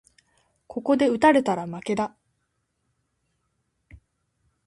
ここで打たれたら負けだ